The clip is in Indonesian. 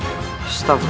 aku harus menolongnya